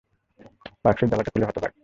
বাক্সের ডালাটা খুলে হতবাক।